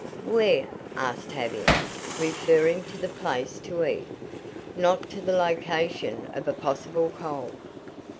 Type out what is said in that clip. "Where?" asked Tavia, referring to the place to eat, not to the location of a possible cold.